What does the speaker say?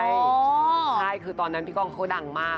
ใช่คือตอนนั้นพี่ก้องเขาดังมาก